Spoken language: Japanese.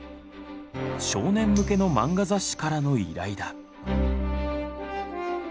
少年向けの漫画雑誌からの依頼だ。